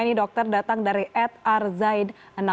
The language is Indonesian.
ini dokter datang dari ed arzahid enam belas